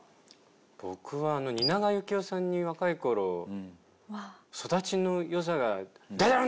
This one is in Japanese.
僕は蜷川幸雄さんに若い頃「育ちの良さが出るんだよ！」